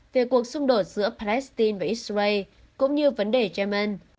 về cuộc xung đột giữa palestine và israel cũng như vấn đề yemen